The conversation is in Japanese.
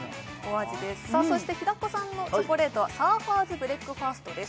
そして平子さんのチョコレートはサーファーズブレックファーストです